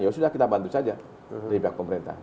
ya sudah kita bantu saja dari pihak pemerintah